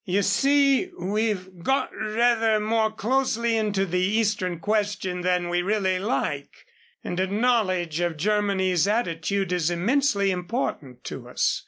You see, we've got rather more closely into the Eastern question than we really like, and a knowledge of Germany's attitude is immensely important to us."